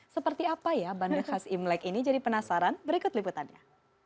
seperti apa ya bandeng khas imlek ini jadi penasaran berikut liputannya